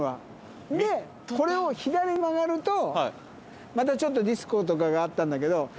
でこれを左に曲がるとまたちょっとディスコとかがあったんだけど。